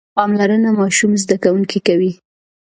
پاملرنه ماشوم زده کوونکی کوي.